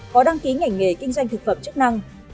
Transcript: có đăng ký ngành nghề kinh doanh thực phẩm chức năng